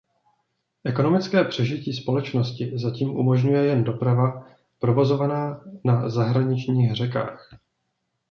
Ekonomické přežití společnosti zatím umožňuje jen doprava provozovaná na zahraničních řekách.